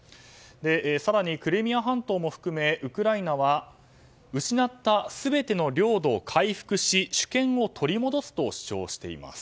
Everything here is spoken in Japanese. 更に、クリミア半島も含めウクライナは失った全ての領土を回復し主権を取り戻すと主張しています。